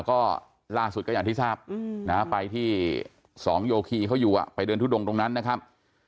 ก็ล่าสุดก็อย่างที่ทราบไปที่สองโยคีเขาอยู่ไปเดินทุดงตรงนั้นนะครับ